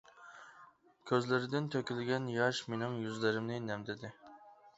كۆزلىرىدىن تۆكۈلگەن ياش مېنىڭ يۈزلىرىمنى نەمدىدى.